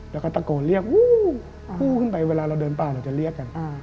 แล้วก็ตะโกนเรียกกู้ขึ้นไปเวลาเราเดินป่าเราจะเรียกกัน